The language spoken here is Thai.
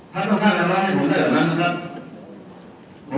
ถ้าต้องสร้างอำนาจให้ผลได้แบบนั้นนะครับ